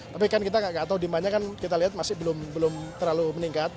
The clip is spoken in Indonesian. tapi kan kita gak tau di banyak kan kita lihat masih belum terlalu meningkat